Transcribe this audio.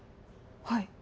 はい。